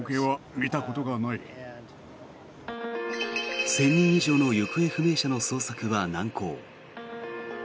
１０００人以上の行方不明者の捜索は難航。